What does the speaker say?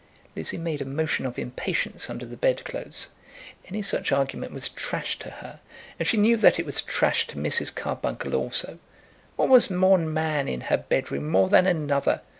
Lizzie made a motion of impatience under the bedclothes. Any such argument was trash to her, and she knew that it was trash to Mrs. Carbuncle also. What was one man in her bedroom more than another?